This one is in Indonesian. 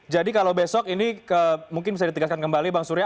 jadi kalau besok ini mungkin bisa ditegaskan kembali bang surya